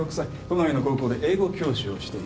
都内の高校で英語教師をしていた。